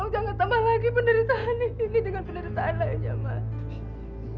tolong jangan tambah lagi menderita ini dengan menderita lainnya mas